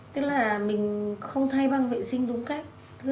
tức là mình không thay bằng vệ sinh đúng cách